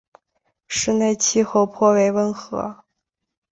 市内的气候颇为温和。